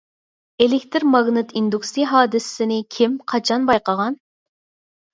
ئېلېكتىر ماگنىت ئىندۇكسىيە ھادىسىسىنى كىم، قاچان بايقىغان؟